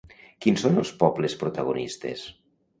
Quins són els pobles protagonistes?